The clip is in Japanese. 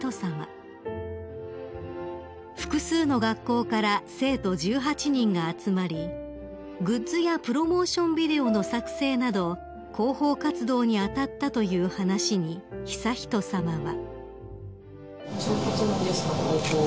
［複数の学校から生徒１８人が集まりグッズやプロモーションビデオの作成など広報活動に当たったという話に悠仁さまは］